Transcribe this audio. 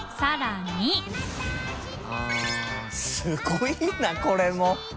すごいなこれも。